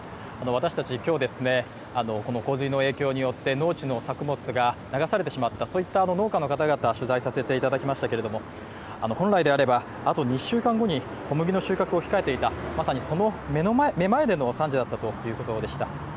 私たち、今日、この洪水の影響によって農地の作物が流されてしまったそういった農家の方々を取材させていただきましたけれども本来であればあと２週間後に小麦の収穫を控えていた、まさにその目の前での惨事だったということでした。